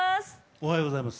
おはようございます。